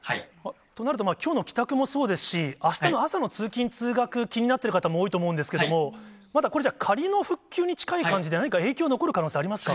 となるときょうの帰宅もそうですし、あしたの朝の通勤・通学、気になっている方も多いと思うんですけれども、まだこれ、じゃあ、仮の復旧に近い感じで、何か影響残る可能性ありますか？